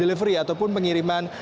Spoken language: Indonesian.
delivery ataupun pengiriman